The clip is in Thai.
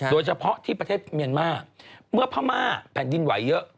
โดยเฉพาะที่ประเทศเมียนมาร์เมื่อพม่าแผ่นดินไหวเยอะ